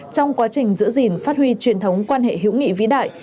trong quá trình giữ gìn phát huy truyền thống quan hệ hữu nghị vĩ đại